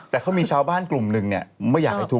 แต่เขามีชาวบ้านกลุ่มหนึ่งเนี่ยไม่อยากให้ถูก